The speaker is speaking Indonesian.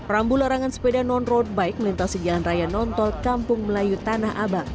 rambu larangan sepeda non roadbike melintasi jalan raya nontol kampung melayu tanah abang